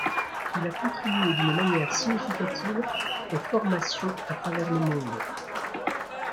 Il a contribué d’une manière significative aux formations à travers le monde.